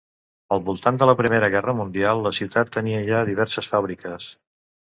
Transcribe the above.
Al voltant de la Primera Guerra Mundial la ciutat tenia ja diverses fàbriques.